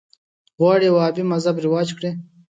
غواړي وهابي مذهب رواج کړي